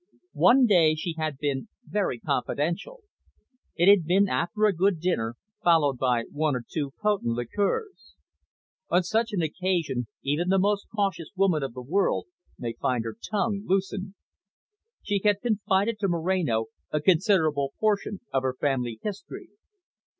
One day she had been very confidential. It had been after a good dinner, followed by one or two potent liqueurs. On such an occasion even the most cautious woman of the world may find her tongue loosened. She had confided to Moreno a considerable portion of her family history.